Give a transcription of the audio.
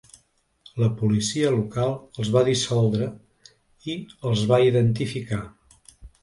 La policia local els va dissoldre i els va identificar.